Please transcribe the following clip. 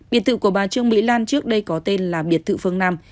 biệt tự của bà trương mỹ lan trước đây có tên là biệt thự phương nam